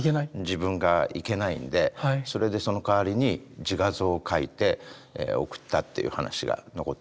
自分が行けないんでそれでそのかわりに自画像を描いて送ったという話が残ってるんですね。